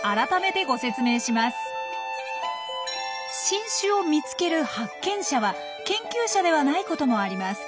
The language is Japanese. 新種を見つける発見者は研究者ではないこともあります。